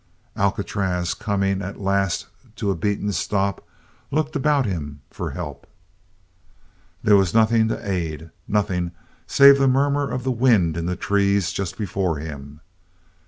Alcatraz, coming at last to a beaten stop, looked about him for help. There was nothing to aid, nothing save the murmur of the wind in the trees just before him.